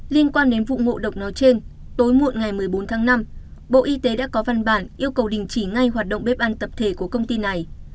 liên quan đến vụ ngộ độc nói trên tối muộn ngày một mươi bốn tháng năm bộ y tế đã có văn bản yêu cầu đình chỉ ngay hoạt động bếp ăn tập thể của công ty này